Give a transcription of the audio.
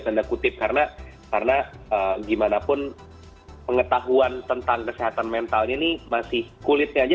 tanda kutip karena karena gimana pun pengetahuan tentang kesehatan mental ini masih kulitnya aja